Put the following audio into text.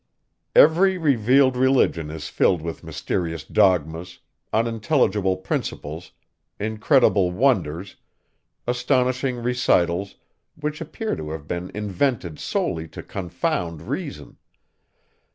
Every revealed religion is filled with mysterious dogmas, unintelligible principles, incredible wonders, astonishing recitals, which appear to have been invented solely to confound reason.